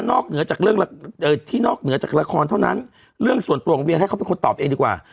จากเรื่องที่นอกเหนือจากละครเท่านั้นเรื่องส่วนตัวของเวียงให้เขาเป็นคนตอบเองดีกว่า